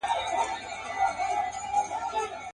زه لکه نغمه درسره ورک سمه.